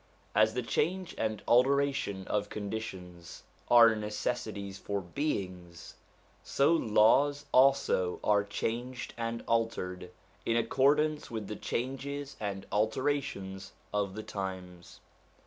As the change and alteration of conditions are necessities for beings, so laws also are changed and altered, in accordance with the changes and alterations of the times.